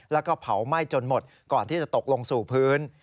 แล้วก็เผาไหม้จนหมดก่อนที่จะตกลงสู่พื้น